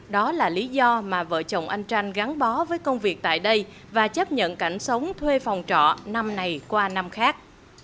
đó là lý do mà vợ chồng anh tranh gắn bó với công việc tại đây và chấp nhận cảnh sống thuê phòng trọ năm này qua năm khác